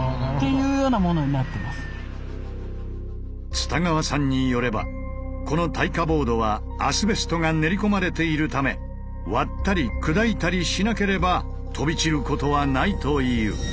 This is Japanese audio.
蔦川さんによればこの耐火ボードはアスベストが練り込まれているため割ったり砕いたりしなければ飛び散ることはないという。